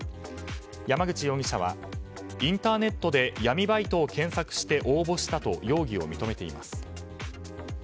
山口容疑者はインターネットで闇バイトを検索して応募したと容疑を認めています。